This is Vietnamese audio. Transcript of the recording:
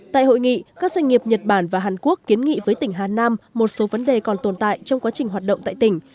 tại hội nghị các doanh nghiệp nhật bản và hàn quốc kiến nghị với tỉnh hà nam một số vấn đề còn tồn tại trong quá trình hoạt động tại tỉnh